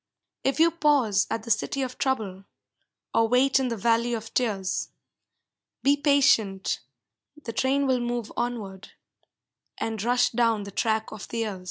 If you pause at the City of Trouble, Or wait in the Valley of Tears, Be patient, the train will move onward, And rush down the track of the years.